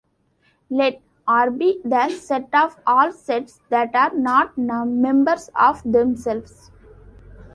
Let "R" be the set of all sets that are not members of themselves.